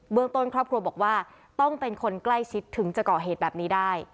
ต้นครอบครัวบอกว่าต้องเป็นคนใกล้ชิดถึงจะก่อเหตุแบบนี้ได้